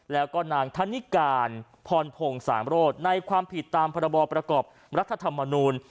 แล้วก็นางธนิการพรพงศ์สามโรธในความผิดตามพรบประกอบรัฐธรรมนูล